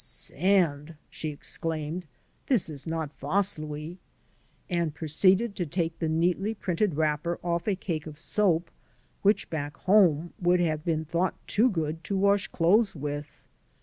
"" Sand !" she exclaimed. " This is not Vaslui," and proceeded to take the neatly printed wrapper oflF a cake of soap which back home would have been thought too good to wash clothes with.